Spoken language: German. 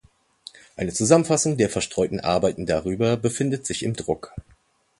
Eine Zusammenfassung der verstreuten Arbeiten darüber befindet sich im Druck.